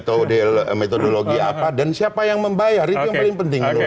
pola dan metodologi apa dan siapa yang membayar itu yang paling penting menurut saya